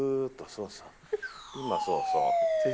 そうそう。